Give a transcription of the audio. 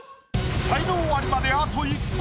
才能アリまであと一歩。